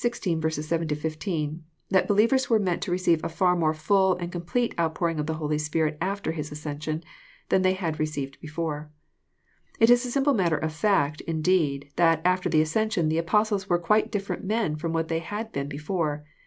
7—16, that believers were meant to recei^Sirfar more full and complete outpouring of the Holy Spirit after His ascension thantirey had received before. It is a simple matter of fnr.t, Indeed, that after the ascension the Apostles were quite different men from what they had been before.